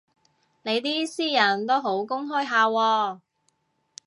你啲私隱都好公開下喎